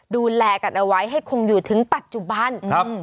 ดูแลกันเอาไว้ให้คงอยู่ถึงปัจจุบันครับ